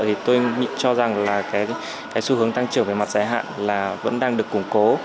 thì tôi cho rằng là cái xu hướng tăng trưởng về mặt giải hạn là vẫn đang được củng cố